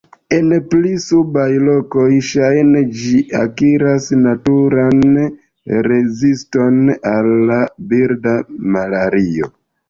En pli subaj lokoj, ŝajne ĝi akiras naturan reziston al la birda malario.